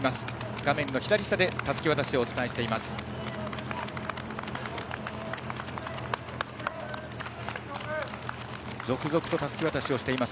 画面の左下でたすき渡しをお伝えしています。